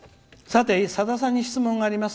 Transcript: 「さて、さださんに質問があります。